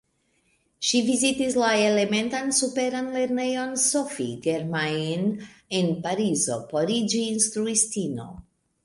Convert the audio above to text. Ŝi vizitis la elementan superan lernejon Sophie Germain en Parizo por iĝi instruistino.